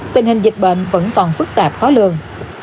tình hình dịch bệnh vẫn còn phức tạp khó lường